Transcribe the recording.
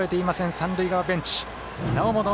三塁側ベンチ。